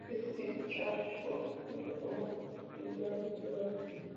Estudió en la Slade School y fue famoso por sus pinturas mitológicas.